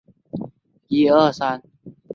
革叶车前为车前科车前属下的一个亚种。